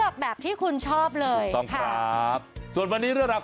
สบัดข่าวเด็ด